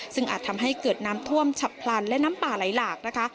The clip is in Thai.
ซึ่งอาจทำให้เกิดน้ำท่วมฉับพลันและน้ำป่าไหลหลากนะคะ